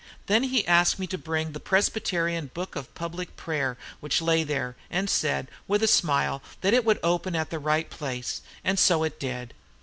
Then he asked me to bring the Presbyterian 'Book of Public Prayer' which lay there, and said, with a smile, that it would open at the right place, and so it did.